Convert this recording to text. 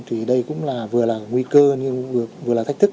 thì đây cũng là vừa là nguy cơ nhưng vừa là thách thức